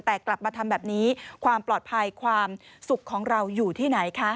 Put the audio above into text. แต่กลับมาทำแบบนี้ความปลอดภัยความสุขของเราอยู่ที่ไหนคะ